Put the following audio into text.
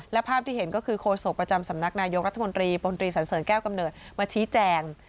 และภาพที่เห็นก็คือโคศกประจำสำนักนายกรัฐมนตรีปนตรีสันเสริญแก้วกำเนิดมาชี้แจง